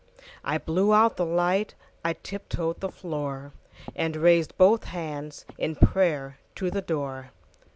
I blew out the light,I tip toed the floor, And raised both handsIn prayer to the door.